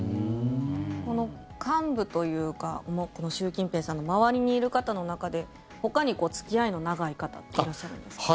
この、幹部というか習近平さんの周りにいる方の中でほかに付き合いの長い方っていらっしゃるんですか。